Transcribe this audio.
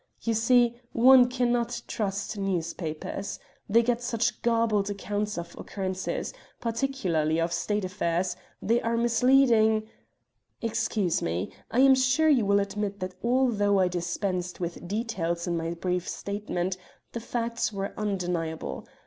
You see, one cannot trust newspapers. They get such garbled accounts of occurrences, particularly of State affairs; they are misleading " "Excuse me, I am sure you will admit that although I dispensed with details in my brief statement, the facts were undeniable.